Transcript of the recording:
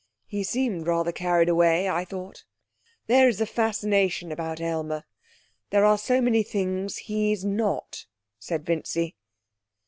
'He seemed rather carried away, I thought. There's a fascination about Aylmer. There are so many things he's not,' said Vincy.